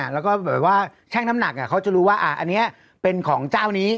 แล้วก็แบบว่าช่างน้ำหนักเขาจะรู้ว่าอันนี้เป็นของเจ้านี้